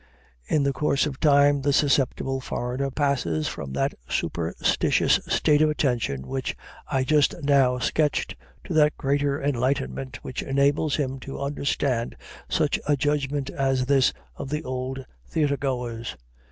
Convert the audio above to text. In the course of time the susceptible foreigner passes from that superstitious state of attention which I just now sketched to that greater enlightenment which enables him to understand such a judgment as this of the old theater goers.